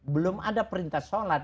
belum ada perintah shalat